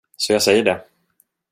Så jag säger det.